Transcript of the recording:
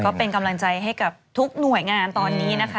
ก็เป็นกำลังใจให้กับทุกหน่วยงานตอนนี้นะคะ